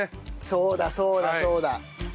そうだそうだそうだ！